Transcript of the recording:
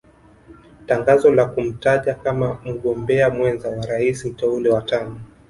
Tangazo la kumtaja kama mgombea mwenza wa rais mteule wa tano